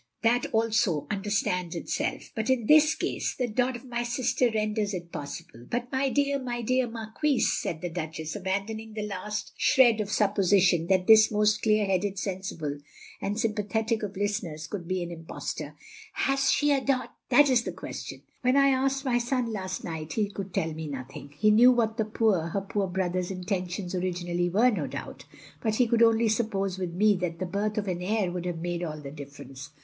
That, also, understands itself. But in this case — ^the dot of my sister renders it possible " "But my dear — ^my dear Marquise," said the Duchess, abandoning the last shred of supposition that this most clear headed, sensible, and sym pathetic of listeners could be an impostor. " Has she SL dotf that is the question. When I asked my son last night, he could tell me nothing. He knew what the poor — ^her poor brother's inten tions originally were, no doubt; but he could only suppose with me, that the birth of an heir would have mad6 all the difference.